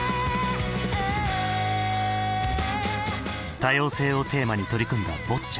多様性をテーマに取り組んだボッチャ。